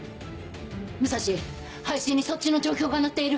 武蔵配信にそっちの状況がのっている！